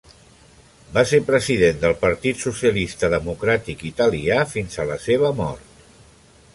Va ser president del Partit Socialista Democràtic Italià fins a la seva mort.